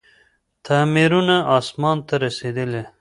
تعميرونه اسمان ته رسېدلي دي.